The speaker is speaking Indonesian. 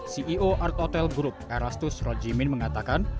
ceo art hotel group erastus rojimin mengatakan